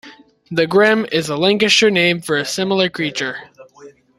"The Grim" is a Lancashire name for a similar creature.